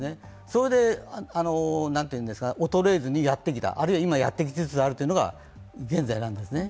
それで衰えずにやってきた、あるいは今、やってきつつあるというのが現在なんですね。